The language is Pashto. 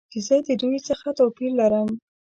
چې زه د دوی څخه توپیر لرم.